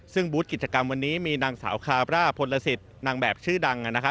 ซึ่งบูธกิจกรรมวันนี้มีนางสาวคาบร่าพลสิทธิ์นางแบบชื่อดัง